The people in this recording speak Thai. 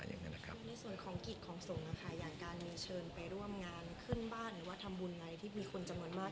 คือในส่วนของกิจของสงฆ์นะคะอย่างการมีเชิญไปร่วมงานขึ้นบ้านหรือว่าทำบุญอะไรที่มีคนจำนวนมาก